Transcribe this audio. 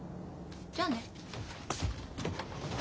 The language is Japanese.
じゃあね。